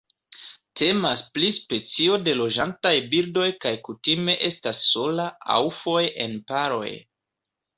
Temas pri specio de loĝantaj birdoj kaj kutime estas sola aŭ foje en paroj.